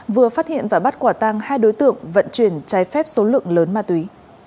vừa phát hiện và bắt quả tăng hai đối tượng vận chuyển trái phép số lượng lớn ma túy